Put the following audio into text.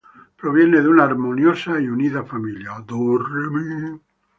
Proviene de una armoniosa y unida familia.